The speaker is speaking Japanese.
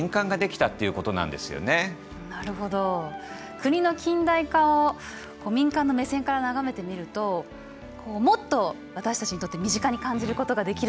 国の近代化を民間の目線から眺めてみるともっと私たちにとって身近に感じることができるかもしれないですね。